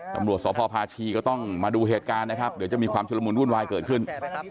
ตำรวจสพพาชีก็ต้องมาดูเหตุการณ์นะครับเดี๋ยวจะมีความชุดละมุนวุ่นวายเกิดขึ้น